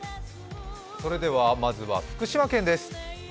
それではまずは福島県です。